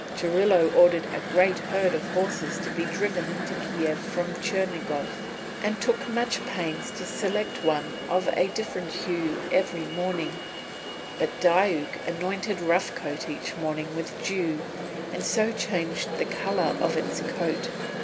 Churilo ordered great herds of horses to be driven into Kiev from Chernigof, and took much pains to select one of different hue every morning; but Diuk anointed Rough Coat each morning with dew and so changed the colour of its coat.